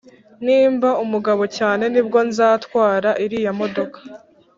nimba umugabo cyane nibwo nzatwara iriya modoka